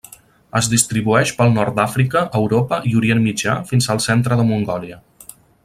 Es distribueix pel nord d'Àfrica, Europa i Orient Mitjà fins al centre de Mongòlia.